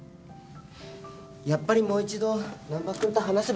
やっぱりもう一度難破君と話すべきかもね。